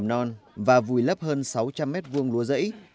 trường mầm non và vùi lấp hơn sáu trăm linh m hai lúa rẫy